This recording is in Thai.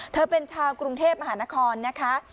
เธอเป็นชาวกรุงเทพมหานครนะคะ